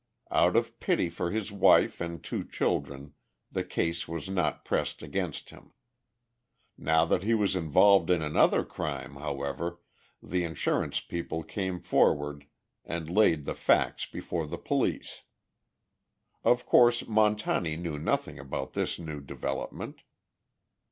Out of pity for his wife and two children the case was not pressed against him. Now that he was involved in another crime, however, the insurance people came forward and laid the facts before the police. Of course, Montani knew nothing about this new development.